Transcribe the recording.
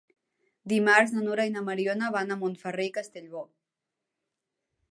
Dimarts na Nura i na Mariona van a Montferrer i Castellbò.